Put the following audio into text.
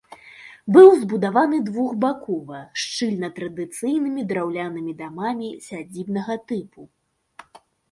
Быў забудаваны двухбакова, шчыльна традыцыйнымі драўлянымі дамамі сядзібнага тыпу.